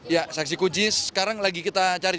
ya saksi kunci sekarang lagi kita cari